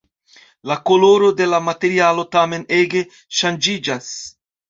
La koloro de la materialo tamen ege ŝanĝiĝas.